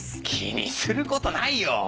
気にすることないよ